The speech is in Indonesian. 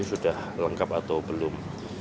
sudah lengkap atau belum